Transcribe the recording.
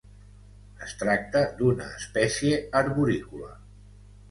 Es tracta d'una espècie arborícola.